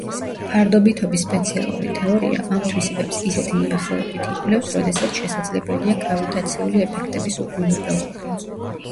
ფარდობითობის სპეციალური თეორია ამ თვისებებს ისეთი მიახლოებით იკვლევს, როდესაც შესაძლებელია გრავიტაციული ეფექტების უგულვებელყოფა.